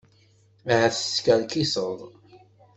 Ahat teskerkiseḍ.